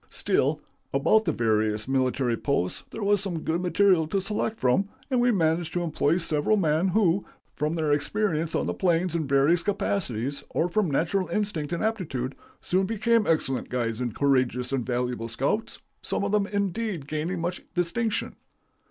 Still, about the various military posts there was some good material to select from, and we managed to employ several men, who, from their experience on the plains in various capacities, or from natural instinct and aptitude, soon became excellent guides and courageous and valuable scouts, some of them, indeed, gaining much distinction.